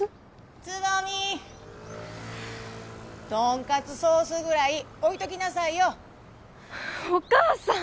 蕾未とんかつソースぐらい置いときなさいよお母さん